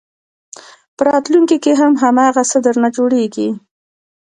په راتلونکي کې هم هماغه څه درنه جوړېږي.